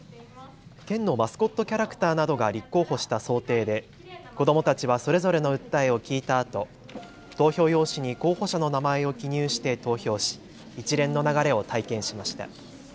県のマスコットキャラクターなどが立候補した想定で子どもたちはそれぞれの訴えを聞いたあと、投票用紙に候補者の名前を記入して投票し一連の流れを体験しました。